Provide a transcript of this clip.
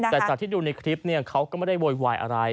แต่จากที่ดูในคลิปเขาก็ไม่ได้โวยวายอะไร